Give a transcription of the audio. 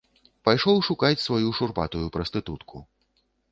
Пайшоў шукаць сваю шурпатую прастытутку.